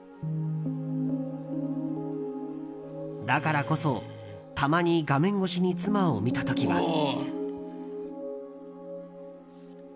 だからこそ、たまに画面越しに妻を見た時は。